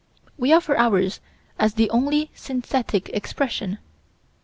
We offer ours as the only synthetic expression.